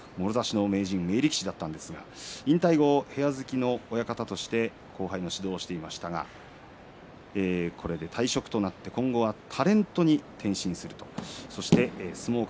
もろ差しの名人が明治４年力士だったんですが引退後部屋付きの親方として後輩の指導をしていましたがこれで退職となって今後はタレントに転身するということです。